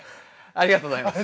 ありがとうございます。